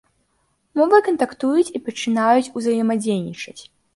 Мовы кантактуюць і пачынаюць узаемадзейнічаць.